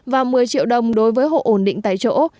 và một mươi triệu đồng đối với hộ ổn định tại chỗ